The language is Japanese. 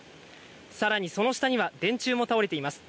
さらにその下には電柱も倒れています。